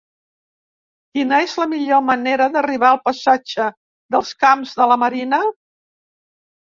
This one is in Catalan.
Quina és la millor manera d'arribar al passatge dels Camps de la Marina?